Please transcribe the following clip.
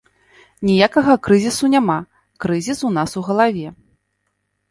Ніякага крызісу няма, крызіс у нас у галаве!